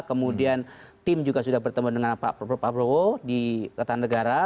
kemudian tim juga sudah bertemu dengan pak pro pro di ketan negara